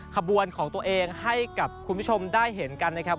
ขบวนของตัวเองให้กับคุณผู้ชมได้เห็นกันนะครับ